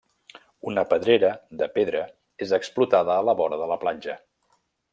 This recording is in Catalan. Una pedrera de pedra és explotada a la vora de la platja.